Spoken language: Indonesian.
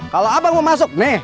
kalau abang mau masuk nih